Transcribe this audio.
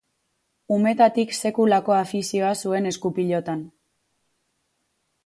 Umetatik sekulako afizioa zuen eskupilotan.